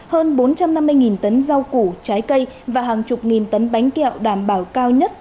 hơn bốn trăm năm mươi tấn rau củ trái cây và hàng chục nghìn tấn bánh kẹo đảm bảo cao nhất